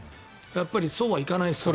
そうはいかないですよね。